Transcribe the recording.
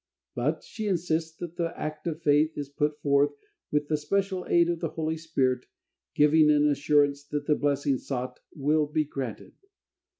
But she insists that the act of faith is put forth with the special aid of the Holy Spirit giving an assurance that the blessing sought will be granted.